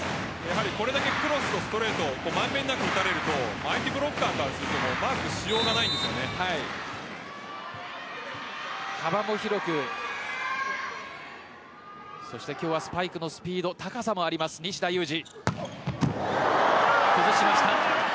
これだけクロスとストレート満遍なく打たれると相手ブロッカーからすると幅も広く今日はスパイクのスピード高さもあります、西田有志。